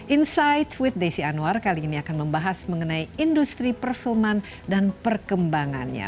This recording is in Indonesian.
insight with desi anwar kali ini akan membahas mengenai industri perfilman dan perkembangannya